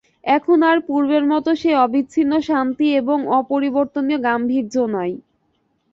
এখন আর পূর্বের মতো সেই অবিচ্ছিন্ন শান্তি এবং অপরিবর্তনীয় গাম্ভীর্য নাই।